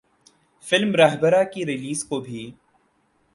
film ’Rahbara‘ کی release کو بھی